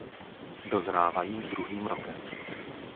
Dozrávají druhým rokem.